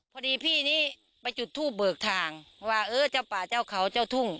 พอดีพี่นี้ไปจุดทูปเบิกทางว่าเออเจ้าป่าเจ้าเขาเจ้าทุ่ง